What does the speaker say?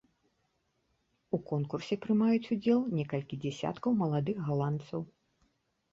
У конкурсе прымаюць удзел некалькі дзесяткаў маладых галандцаў.